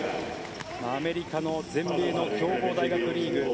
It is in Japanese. アメリカの全米の強豪大リーグの